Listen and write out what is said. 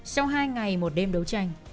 sau hai ngày một đêm đấu tranh